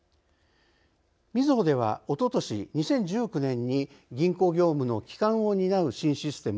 みずほではおととし２０１９年に銀行業務の基幹を担う新システム